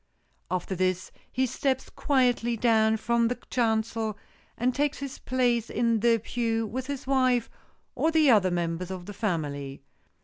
After this he steps quietly down from the chancel and takes his place in the pew with his wife, or the other members of the family.